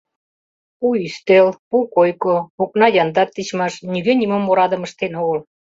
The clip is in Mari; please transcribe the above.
Пу ӱстел, пу койко, окна яндат тичмаш, нигӧ нимом орадым ыштен огыл.